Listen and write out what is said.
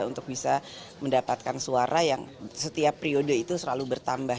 untuk bisa mendapatkan suara yang setiap periode itu selalu bertambah